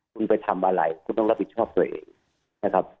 คุณไปทำอะไรคุณต้องรับผิดชอบตัวเองนะครับ